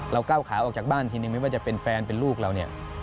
ก้าวขาออกจากบ้านทีนึงไม่ว่าจะเป็นแฟนเป็นลูกเราเนี่ย